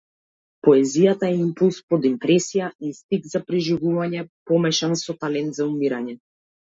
Поезијата е импулс под импресија, инстинкт за преживување помешан со талент за умирање.